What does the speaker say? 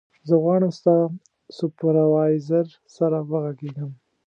زه غواړم ستا سوپروایزر سره وغږېږم.